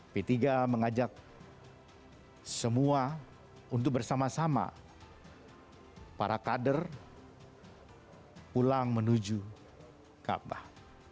p tiga mengajak semua untuk bersama sama para kader pulang menuju kaabah